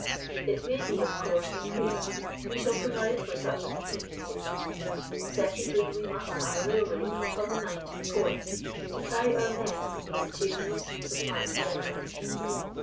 It may be, of course, increased; we shall provide for such a contingency. "Secondly, we must have a railway—from the mine to the port—to carry our men—materials, supplies generally.